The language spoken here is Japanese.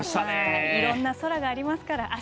いろんな空がありますから。